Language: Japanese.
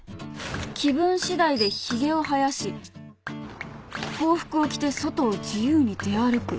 ［気分しだいでひげを生やし法服を着て外を自由に出歩く］